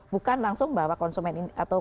bukan langsung bahwa konsumen ini atau